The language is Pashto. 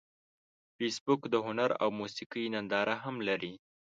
فېسبوک د هنر او موسیقۍ ننداره هم لري